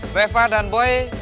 boleh silahkan kembali ke stage